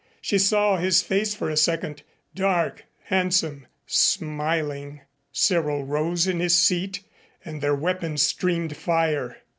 She saw his face for a second, dark, handsome, smiling. Cyril rose in his seat and their weapons streamed fire.